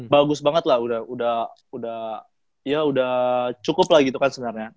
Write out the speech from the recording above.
bagus banget lah udah cukup lah gitu kan sebenarnya